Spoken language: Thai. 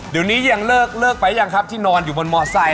เดี๋ยวนี้ยังเลิกไปยังครับที่นอนอยู่บนมอไซค